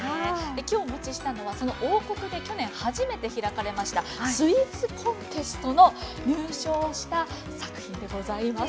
今日お持ちしたのはその王国で去年初めて開かれましたスイーツコンテストの入賞した作品でございます。